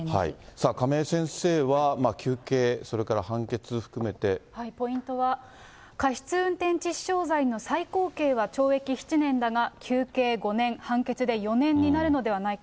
さあ、亀井先生は求刑、それから判決を含めてポイントは、過失運転致死傷罪の最高刑は懲役７年だが求刑５年、判決で４年になるのではないか。